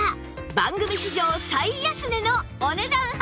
番組史上最安値のお値段発表！